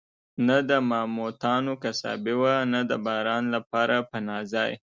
نه د ماموتانو قصابي وه، نه د باران لپاره پناه ځای.